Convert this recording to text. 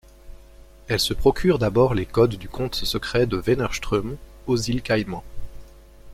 Elle se procure d'abord les codes du compte secret de Wennerström aux îles Caïmans.